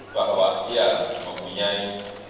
bahwa dia mempunyai